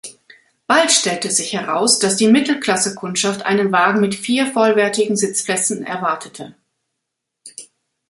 Bald stellte sich heraus, dass die Mittelklasse-Kundschaft einen Wagen mit vier vollwertigen Sitzplätzen erwartete.